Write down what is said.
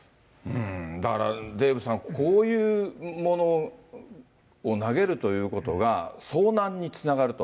だからデーブさん、こういうものを投げるということが、遭難につながると。